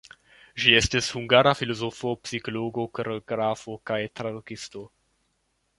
Ŝi estis hungara filozofo, psikologo, koreografo kaj tradukisto.